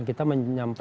jadi kita menyampaikan